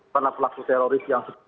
karena pelaku teroris yang sebut